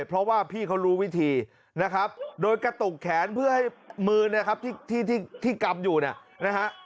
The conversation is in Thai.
เพราะว่าพี่เขารู้วิธีนะครับโดยกระตุกแขนเพื่อให้มือเนี่ยครับที่กำอยู่เนี่ยนะฮะ